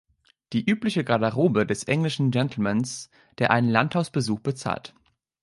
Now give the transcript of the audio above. Die übliche Garderobe des englischen Gentlemans, der einen Landhaus-Besuch bezahlt.